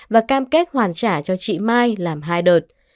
và cam kết hoàn trả cho chị mai làm hai đợt